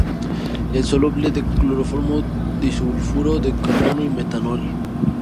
Es soluble en cloroformo, disulfuro de carbono y metanol.